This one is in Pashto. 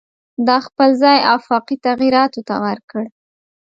دا خپل ځای آفاقي تغییراتو ته ورکړ.